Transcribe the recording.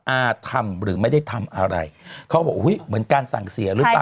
อาทำหรือไม่ได้ทำอะไรเขาก็บอกอุ้ยเหมือนการสั่งเสียหรือเปล่า